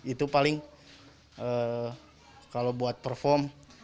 itu paling kalau buat perform